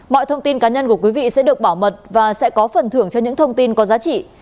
mọi thông tin cá nhân của quý vị sẽ được bảo mật và sẽ có phần thưởng cho những thông tin có giá trị